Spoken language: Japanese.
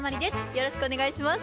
よろしくお願いします。